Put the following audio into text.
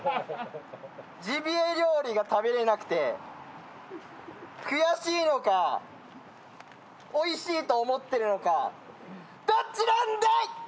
ジビエ料理が食べれなくて悔しいのかおいしいと思ってるのかどっちなんだい